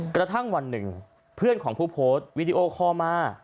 กระทั่งวันหนึ่งเพื่อนของผู้โพสต์วีดีโอคอลมา